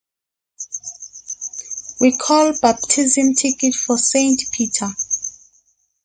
We call baptism ticket for Saint Peter.